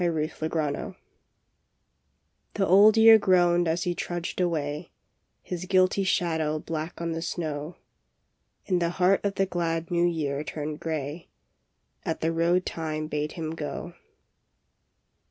BLOOD ROAD THE Old Year groaned as he trudged away, His guilty shadow black on the snow, And the heart of the glad New Year turned grey At the road Time bade him go.